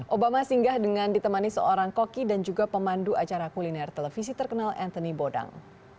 obama singgah dengan ditemani seorang koki dan juga pemandu acara kuliner televisi terkenal anthony bodang